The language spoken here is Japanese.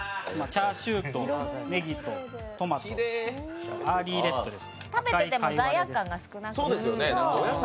チャーシューとねぎとトマトアーリーレッドです。